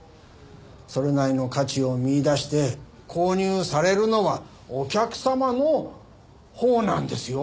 それなりの価値を見いだして購入されるのはお客様のほうなんですよ。